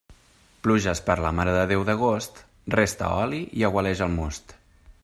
Pluges per la Mare de Déu d'agost, resta oli i aigualeix el most.